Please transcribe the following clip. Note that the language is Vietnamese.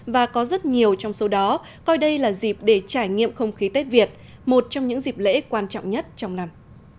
và có rất nhiều trong số đó coi đây là dịp để trải nghiệm không khí tết việt một trong những dịp lễ quan trọng nhất trong năm